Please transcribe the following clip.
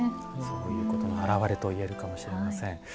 そういうことの表れと言えるかもしれません。